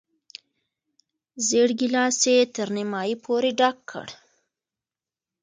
زېړ ګیلاس یې تر نیمايي پورې ډک کړ.